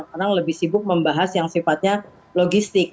orang lebih sibuk membahas yang sifatnya logistik